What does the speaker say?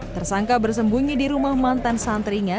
tersangka bersembunyi di rumah mantan santrinya